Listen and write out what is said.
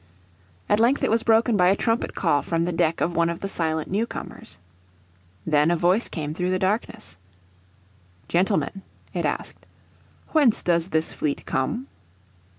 At length it was broken by a trumpet call from the deck of one of the silent new comers. Then a voice came through the darkness. "Gentlemen," it asked, "whence does this fleet come?"